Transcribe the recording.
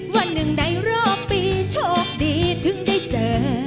วันหนึ่งในรอบปีโชคดีถึงได้เจอ